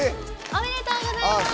おめでとうございます！